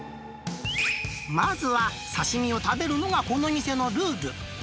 まずは、刺身を食べるのがこの店のルール。